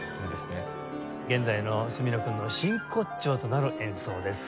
現在の角野くんの真骨頂となる演奏です。